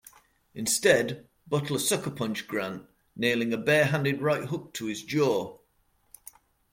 Instead, Butler sucker punched Grant, nailing a bare handed right hook to his jaw.